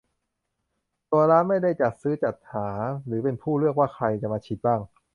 ตัวร้านไม่ได้จัดซื้อจัดหาหรือเป็นผู้เลือกว่าใครจะมาฉีดบ้าง